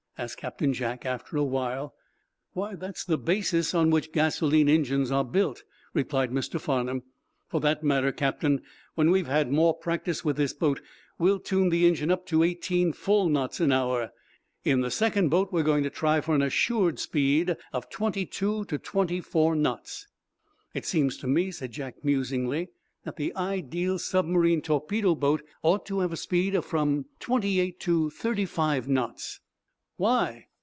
asked Captain Jack, after a while. "Why, that's the basis on which gasoline engines are built," replied Mr. Farnum. "For that matter, captain, when we've had more practice with this boat we'll tune the engine up to eighteen full knots an hour. In the second boat we are going to try for an assured speed of twenty two to twenty four knots." "It seems to me," said Jack, musingly, "that the ideal submarine torpedo boat ought to have a speed of from twenty eight, to thirty five knots." "Why?"